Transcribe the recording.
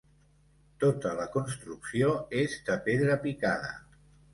Tota la construcció és de pedra picada.